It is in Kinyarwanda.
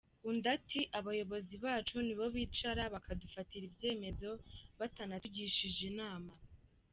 Undi ati “Abayobozi bacu ni bo bicara bakadufatira ibyemezo batanatugishije inama.